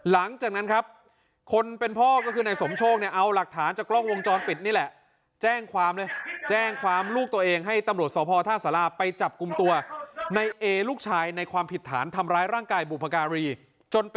หลังจากนั้นครับคนเป็นพ่อก็คือนายสมโชคเนี่ยเอาหลักฐานจากกล้องวงจรปิดนี่แหละ